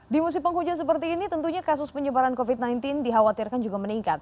di musim penghujan seperti ini tentunya kasus penyebaran covid sembilan belas dikhawatirkan juga meningkat